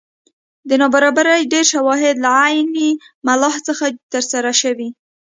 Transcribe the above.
د نابرابرۍ ډېر شواهد له عین ملاحا څخه ترلاسه شوي.